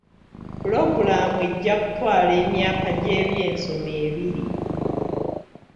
Puloogulaamu ejja kutwala emyaka gy'ebyensoma ebiri.